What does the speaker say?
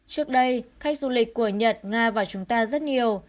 trước đây khách du lịch của nhật nga vào chúng ta rất nhiều